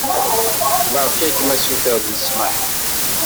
Beṛka-kem asuter n ssmaḥ.